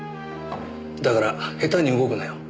だから下手に動くなよ。